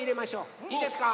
いいですか？